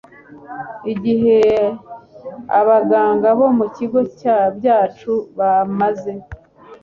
Igihe abaganga bo mu bigo byacu bamaze